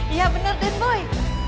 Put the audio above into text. iya bener dan boy